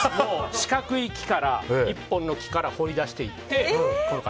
四角い木、１本の木から彫り出していってこの形。